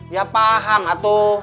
ya paham atu